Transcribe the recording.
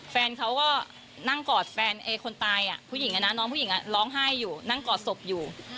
แฟนเขาก็นั่งกอดแฟนคนตายผู้หญิงน้องผู้หญิงร้องไห้อยู่นั่งกอดศพอยู่